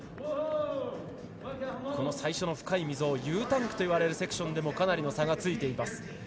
最初の深い溝Ｕタンクと呼ばれるセクションでもかなりの差がついています。